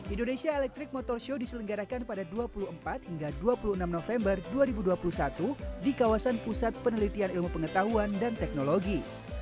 indonesia electric motor show diselenggarakan pada dua puluh empat hingga dua puluh enam november dua ribu dua puluh satu di kawasan pusat penelitian ilmu pengetahuan dan teknologi